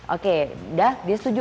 oke udah dia setuju